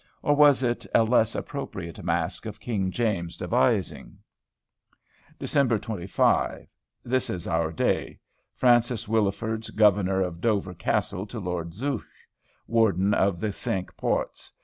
Or was it a less appropriate masque of King James' devising? Dec. 25. This is our day. Francis Willisfourd, Governor of Dover Castle to Lord Zouch, Warden of the Cinque Ports.